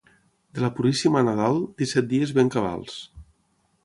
De la Puríssima a Nadal, disset dies ben cabals.